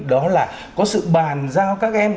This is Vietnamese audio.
đó là có sự bàn giao các em